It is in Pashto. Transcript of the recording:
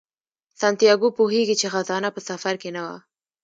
سانتیاګو پوهیږي چې خزانه په سفر کې نه وه.